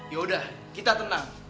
ya udah kita tenang